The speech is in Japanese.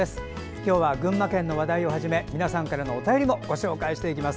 今日は群馬県の話題をはじめ皆さんからのお便りもご紹介していきます。